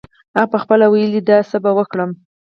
هغه پخپله ویلې دي داسې څه به وکړم.